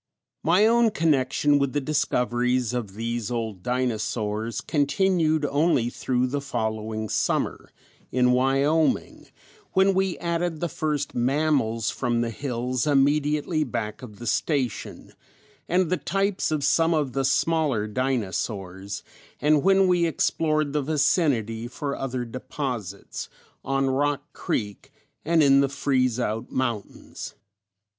] My own connection with the discoveries of these old dinosaurs continued only through the following summer, in Wyoming, when we added the first mammals from the hills immediately back of the station, and the types of some of the smaller dinosaurs, and when we explored the vicinity for other deposits, on Rock Creek and in the Freeze Out Mountains.